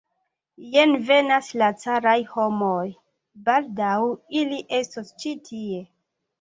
Jen venas la caraj homoj, baldaŭ ili estos ĉi tie.